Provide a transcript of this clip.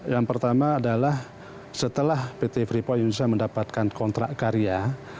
yang pertama adalah setelah pt freeport indonesia mendapatkan kontrak karya